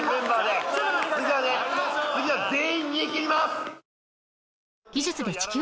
次は全員逃げ切ります。